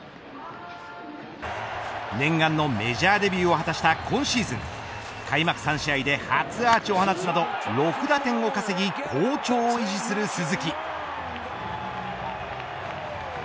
念願のメジャーデビューを果たした今シーズン開幕３試合で初アーチを放つなど６打点を稼ぎ好調を維持する鈴木